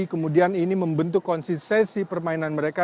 kemudian ini membentuk konsistensi permainan mereka